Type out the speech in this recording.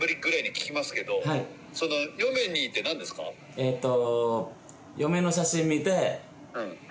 えっと。